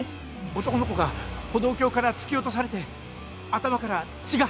男の子が歩道橋から突き落とされて頭から血が！